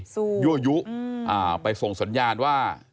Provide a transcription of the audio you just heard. สู้ยั่วยุไปส่งสัญญาณว่า